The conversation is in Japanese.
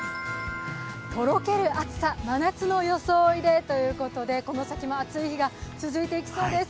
とろける暑さ、真夏の装いでということでこの先も暑い日が続いていきそうです。